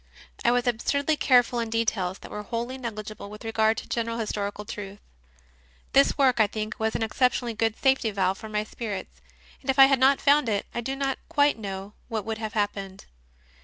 I was absurdly careful in details that were wholly negligible with regard to general historical truth. This work, I think, was an exceptionally good safety valve, for my spirits, and if I had not found it I do not quite know what would have happened.